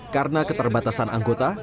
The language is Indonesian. karena keterbatasan anggota